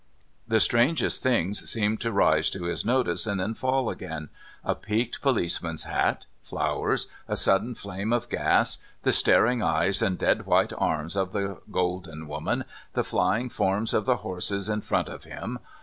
The strangest things seemed to rise to his notice and then fall again a peaked policeman's hat, flowers, a sudden flame of gas, the staring eyes and dead white arms of the golden woman, the flying forms of the horses in front of him.